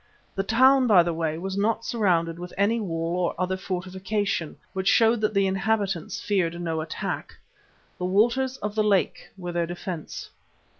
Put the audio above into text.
The town, by the way, was not surrounded with any wall or other fortification, which showed that the inhabitants feared no attack. The waters of the lake were their defence.